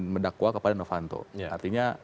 mendakwa kepada novanto artinya